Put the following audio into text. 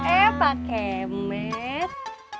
eh pak kemet